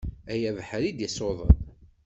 Ay abeḥri i d-isuḍen